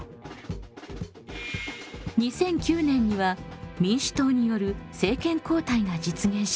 ２００９年には民主党による政権交代が実現します。